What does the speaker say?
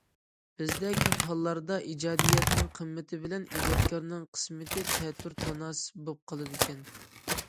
بىزدە كۆپ ھاللاردا ئىجادىيەتنىڭ قىممىتى بىلەن ئىجادكارنىڭ قىسمىتى تەتۈر تاناسىپ بولۇپ قالىدىكەن.